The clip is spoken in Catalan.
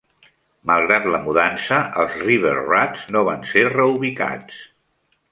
Malgrat la mudança, els River Rats no van ser reubicats.